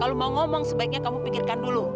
kalau mau ngomong sebaiknya kamu pikirkan dulu